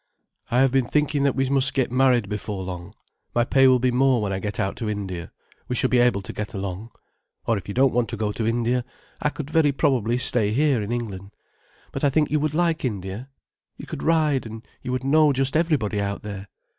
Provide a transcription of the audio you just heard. "I have been thinking that we must get married before long. My pay will be more when I get out to India, we shall be able to get along. Or if you don't want to go to India, I could very probably stay here in England. But I think you would like India. You could ride, and you would know just everybody out there.